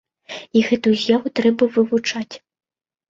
І гэтую з'яву трэба вывучаць.